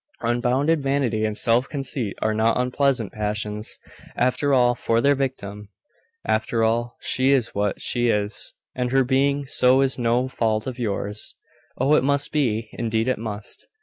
Unbounded vanity and self conceit are not unpleasant passions, after all, for their victim. After all, she is what she is, and her being so is no fault of yours. Oh, it must be! indeed it must!